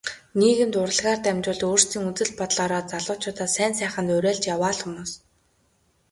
Нийгэмд урлагаар дамжуулж өөрсдийн үзэл бодлоороо залуучуудаа сайн сайханд уриалж яваа л хүмүүс.